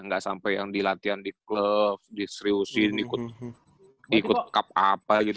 ga sampe yang dilatiin di klub di seriusin ikut cup apa gitu